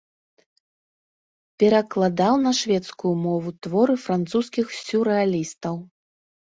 Перакладаў на шведскую мову творы французскіх сюррэалістаў.